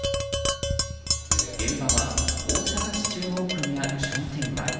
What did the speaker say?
現場は大阪市中央区にある商店街。